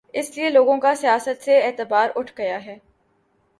اس لیے لوگوں کا سیاست سے اعتبار اٹھ گیا۔